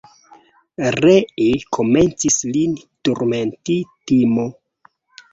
Ree komencis lin turmenti timo.